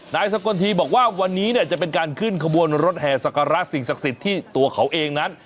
นายสกลทีบอกว่าวันนี้เนี่ยจะเป็นการขึ้นขบวนรถแห่สักการะสิ่งศักดิ์สิทธิ์ที่ตัวเขาเองนั้น